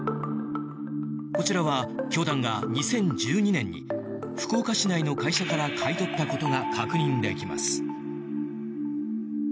こちらは教団が２０１２年に福岡市内の会社から買い取ったことが確認できます。